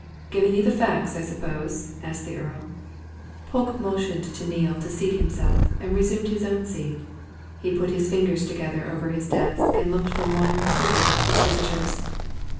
"Given you the facts, I suppose?" asked the Earl. Polke motioned to Neale to seat himself, and resumed his own seat. He put his fingers together over his desk and looked from one to the other of his visitors.